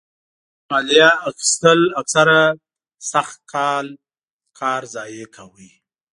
مالیه اخیستل اکثره سخت کال کار ضایع کاوه.